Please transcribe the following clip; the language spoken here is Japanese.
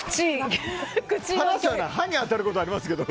歯に当たることはありますけど。